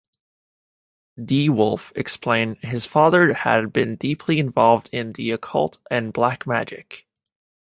DeWolf explained his father had been deeply involved in the occult and black-magic.